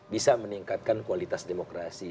bisa meningkatkan kualitas demokrasi